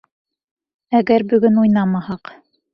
Әгәр бөгөн уйнамаһаҡ...